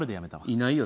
いないよ